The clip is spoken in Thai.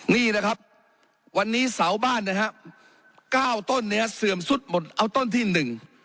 นี่นะครับวันนี้เสาบ้านนะครับเก้าต้นเนี่ยเสื่อมสุดหมดเอาต้นที่หนึ่ง